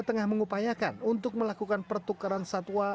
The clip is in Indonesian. tengah mengupayakan untuk melakukan pertukaran satwa